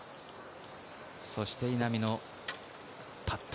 そして、稲見のパット。